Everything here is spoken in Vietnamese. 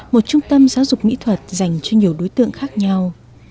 một trung tâm giáo dục mỹ thuật dành cho nhiều đối tượng khác nhau